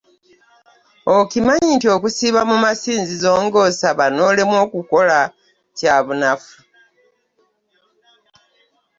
Okimanyi nti okusiiba mu masinzizo ng'osaba n'olemwa okukola kya bunafu?